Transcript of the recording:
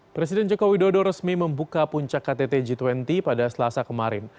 presiden joko widodo resmi membuka puncak ktt g dua puluh pada selasa kemarin